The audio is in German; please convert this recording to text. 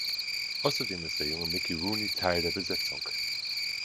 Außerdem ist der junge Mickey Rooney Teil der Besetzung.